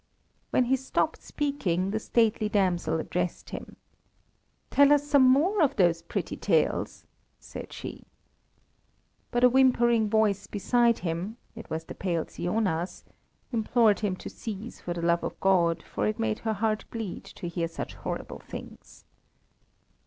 When he stopped speaking the stately damsel addressed him "Tell us some more of those pretty tales!" said she. But a whimpering voice beside him it was the pale Siona's implored him to cease for the love of God, for it made her heart bleed to hear such horrible things.